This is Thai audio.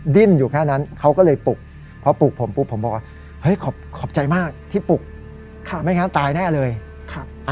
ดิ้นอยู่แค่นั้นเขาก็เลยปลุกเพราะปลูกผมปุ๊บผมบอกว่าเฮ้ยขอขอบใจมากที่ปลุกค่ะไม่งั้นตายแน่เลยครับ